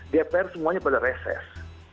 dpr semuanya pada reses